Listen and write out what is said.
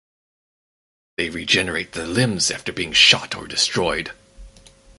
They regenerate their limbs after being shot or destroyed.